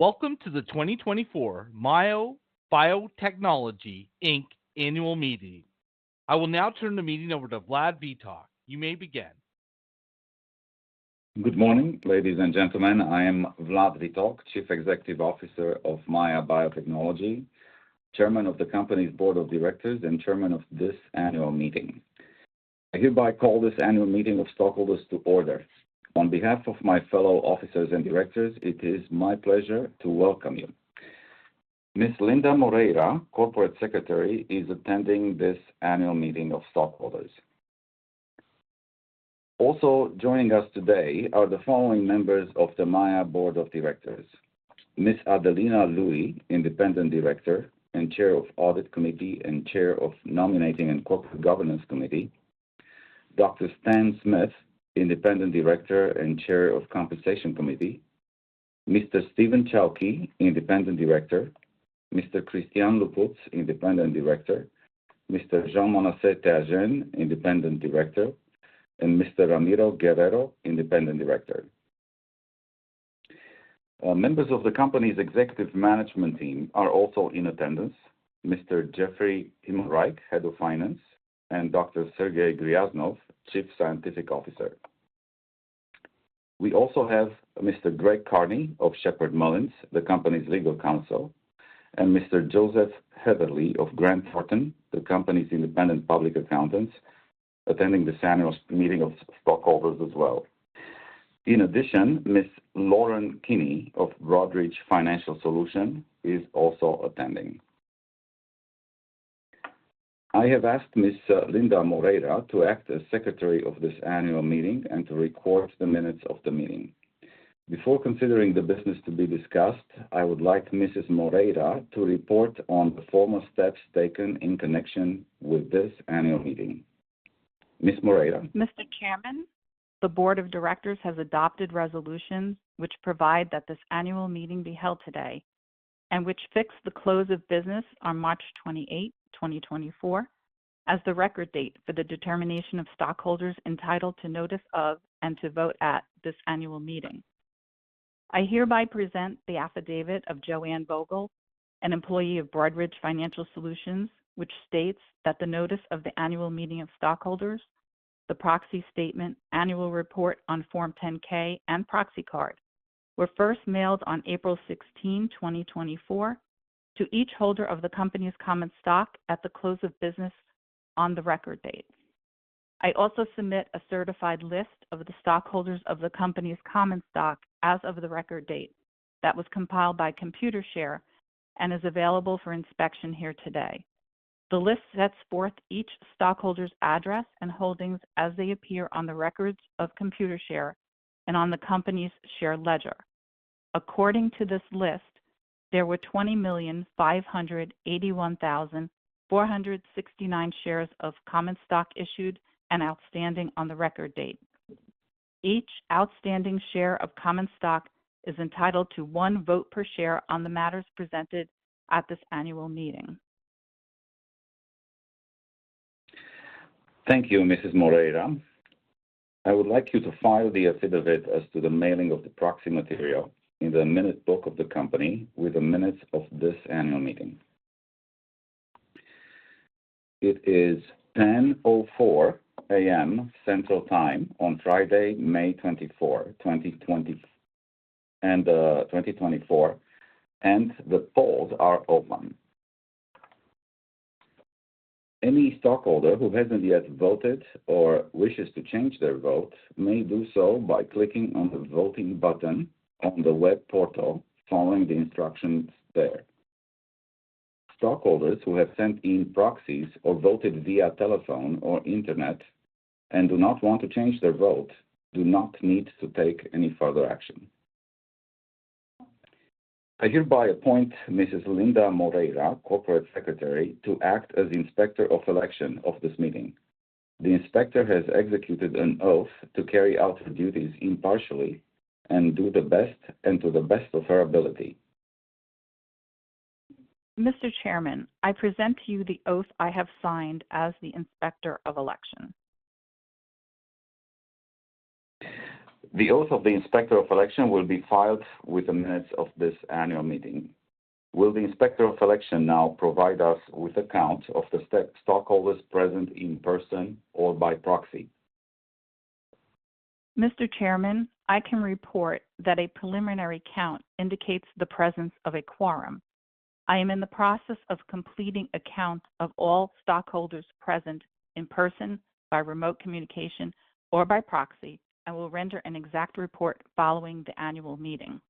Welcome to the 2024 MAIA Biotechnology, Inc. annual meeting. I will now turn the meeting over to Vlad Vitoc. You may begin. Good morning, ladies and gentlemen. I am Vlad Vitoc, Chief Executive Officer of MAIA Biotechnology, Chairman of the company's Board of Directors, and Chairman of this annual meeting. I hereby call this annual meeting of stockholders to order. On behalf of my fellow officers and directors, it is my pleasure to welcome you. Ms. Linda Moreira, Corporate Secretary, is attending this annual meeting of stockholders. Also joining us today are the following members of the MAIA Board of Directors: Ms. Adelina Louie, Independent Director and Chair of Audit Committee and Chair of Nominating and Corporate Governance Committee, Dr. Stan Smith, Independent Director and Chair of Compensation Committee, Mr. Steven Chaouki, Independent Director, Mr. Cristian Luput, Independent Director, Mr. Jean-Manassé Théagène, Independent Director, and Mr. Ramiro Guerrero, Independent Director. Members of the company's executive management team are also in attendance. Mr. Geoffrey Himmelreich, Head of Finance, and Dr. Sergei Gryaznov, Chief Scientific Officer. We also have Mr. Greg Carney of Sheppard Mullin, the company's legal counsel, and Mr. Joseph Heatherly of Grant Thornton, the company's independent public accountants, attending this annual meeting of stockholders as well. In addition, Ms. Lauren Kinney of Broadridge Financial Solutions is also attending. I have asked Ms. Linda Moreira to act as Secretary of this annual meeting and to record the minutes of the meeting. Before considering the business to be discussed, I would like Mrs. Moreira to report on the formal steps taken in connection with this annual meeting. Ms. Moreira? Mr. Chairman, the board of directors has adopted resolutions which provide that this annual meeting be held today, and which fixed the close of business on March 28, 2024, as the record date for the determination of stockholders entitled to notice of, and to vote at this annual meeting. I hereby present the affidavit of Joanne Vogel, an employee of Broadridge Financial Solutions, which states that the notice of the annual meeting of stockholders, the proxy statement, annual report on Form 10-K and proxy card, were first mailed on April 16, 2024, to each holder of the company's common stock at the close of business on the record date. I also submit a certified list of the stockholders of the company's common stock as of the record date, that was compiled by Computershare and is available for inspection here today. The list sets forth each stockholder's address and holdings as they appear on the records of Computershare and on the company's share ledger. According to this list, there were 20,581,469 shares of common stock issued and outstanding on the record date. Each outstanding share of common stock is entitled to one vote per share on the matters presented at this annual meeting. Thank you, Mrs. Moreira. I would like you to file the affidavit as to the mailing of the proxy material in the minute book of the company with the minutes of this annual meeting. It is 10:04 A.M., Central Time on Friday, May 24, 2024, and the polls are open. Any stockholder who hasn't yet voted or wishes to change their vote may do so by clicking on the voting button on the web portal, following the instructions there. Stockholders who have sent in proxies or voted via telephone or internet and do not want to change their vote, do not need to take any further action. I hereby appoint Mrs. Linda Moreira, Corporate Secretary, to act as Inspector of Election of this meeting. The inspector has executed an oath to carry out her duties impartially and do the best, and to the best of her ability. Mr. Chairman, I present to you the oath I have signed as the Inspector of Election. The oath of the Inspector of Election will be filed with the minutes of this annual meeting. Will the Inspector of Election now provide us with a count of the stockholders present in person or by proxy? Mr. Chairman, I can report that a preliminary count indicates the presence of a quorum. I am in the process of completing a count of all stockholders present in person, by remote communication, or by proxy, and will render an exact report following the annual meeting.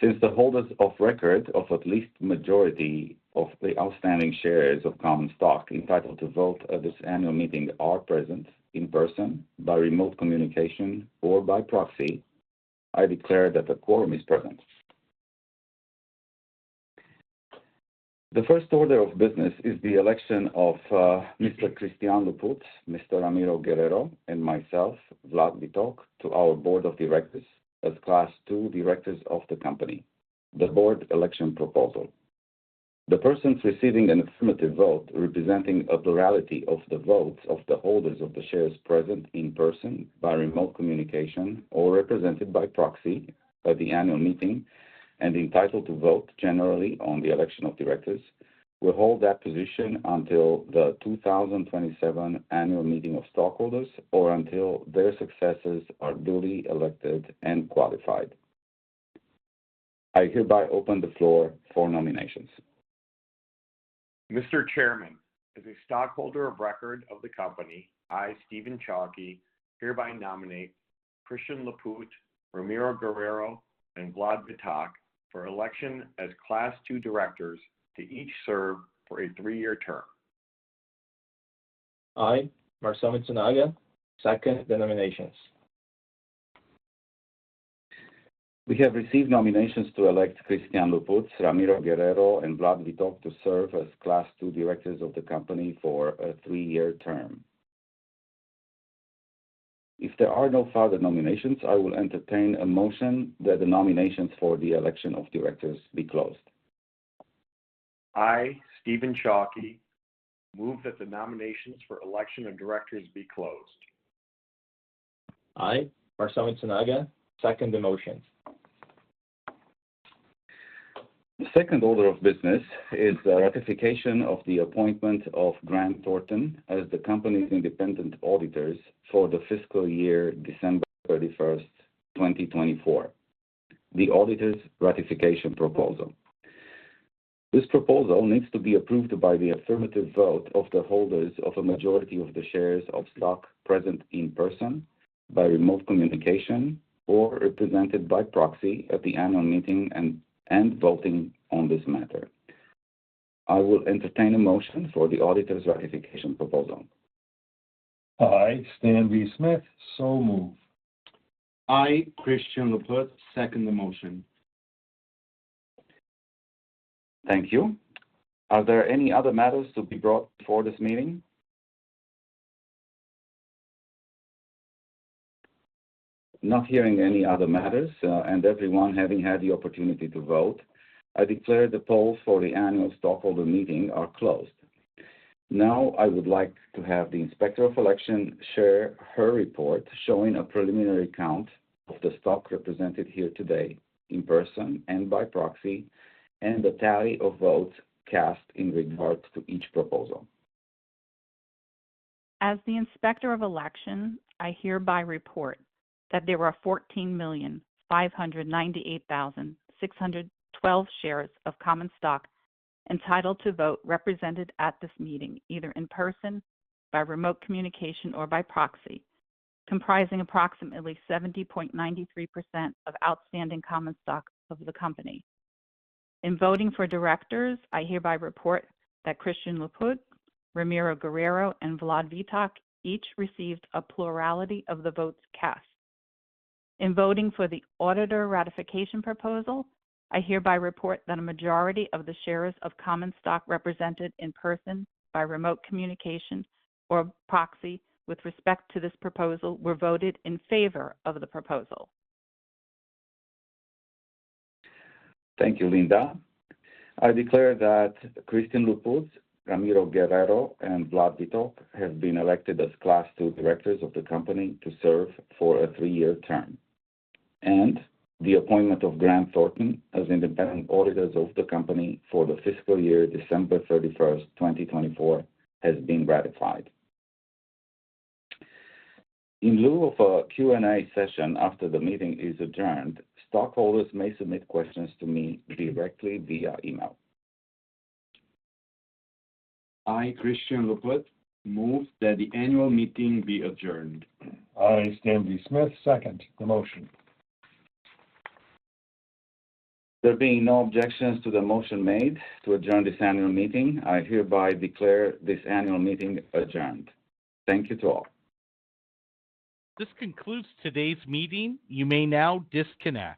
Since the holders of record of at least majority of the outstanding shares of common stock entitled to vote at this annual meeting are present in person, by remote communication, or by proxy, I declare that a quorum is present. The first order of business is the election of Mr. Cristian Luput, Mr. Ramiro Guerrero, and myself, Vlad Vitoc, to our board of directors as Class II directors of the company, the board election proposal. The persons receiving an affirmative vote, representing a plurality of the votes of the holders of the shares present in person by remote communication or represented by proxy at the annual meeting, and entitled to vote generally on the election of directors, will hold that position until the 2027 annual meeting of stockholders or until their successors are duly elected and qualified. I hereby open the floor for nominations. Mr. Chairman, as a stockholder of record of the company, I, Steven M. Chaouki, hereby nominate Cristian Luput, Ramiro Guerrero, and Vlad Vitoc for election as Class two directors to each serve for a three-year term. I, Marcel Mitsunaga, second the nominations. We have received nominations to elect Cristian Luput, Ramiro Guerrero, and Vlad Vitoc to serve as Class II directors of the company for a three-year term. If there are no further nominations, I will entertain a motion that the nominations for the election of directors be closed. I, Steven Chaouki, move that the nominations for election of directors be closed. I, Marcel Mitsunaga, second the motion. The second order of business is the ratification of the appointment of Grant Thornton as the company's independent auditors for the fiscal year, December 31, 2024. The auditor's ratification proposal. This proposal needs to be approved by the affirmative vote of the holders of a majority of the shares of stock present in person, by remote communication or represented by proxy at the annual meeting and voting on this matter. I will entertain a motion for the auditor's ratification proposal. I, Stan V. Smith, so move. I, Cristian Luput, second the motion. Thank you. Are there any other matters to be brought before this meeting? Not hearing any other matters, and everyone having had the opportunity to vote, I declare the polls for the annual stockholder meeting are closed. Now, I would like to have the Inspector of Election share her report showing a preliminary count of the stock represented here today, in person and by proxy, and the tally of votes cast in regard to each proposal. As the Inspector of Election, I hereby report that there were 14,598,612 shares of common stock entitled to vote, represented at this meeting, either in person, by remote communication, or by proxy, comprising approximately 70.93% of outstanding common stock of the company. In voting for directors, I hereby report that Cristian Luput, Ramiro Guerrero, and Vlad Vitoc each received a plurality of the votes cast. In voting for the auditor ratification proposal, I hereby report that a majority of the shares of common stock represented in person by remote communication or proxy, with respect to this proposal, were voted in favor of the proposal. Thank you, Linda. I declare that Cristian Luput, Ramiro Guerrero, and Vlad Vitoc have been elected as Class II directors of the company to serve for a three-year term, and the appointment of Grant Thornton as independent auditors of the company for the fiscal year, December 31, 2024, has been ratified. In lieu of a Q&A session after the meeting is adjourned, stockholders may submit questions to me directly via email. I, Cristian Luput, move that the annual meeting be adjourned. I, Stan V. Smith, second the motion. There being no objections to the motion made to adjourn this annual meeting, I hereby declare this annual meeting adjourned. Thank you to all. This concludes today's meeting. You may now disconnect.